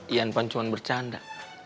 ian pancuman bercanda